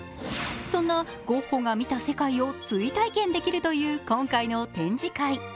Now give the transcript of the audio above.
そんなゴッホが見た世界を追体験できるという今回の展示会。